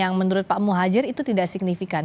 yang menurut pak muhajir itu tidak signifikan